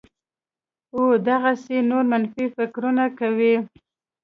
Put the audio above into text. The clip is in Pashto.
او دغسې نور منفي فکرونه کوي